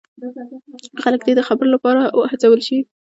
خلک دې د خبرو لپاره هڅول شي.